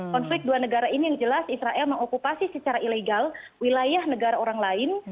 konflik dua negara ini yang jelas israel mengokupasi secara ilegal wilayah negara orang lain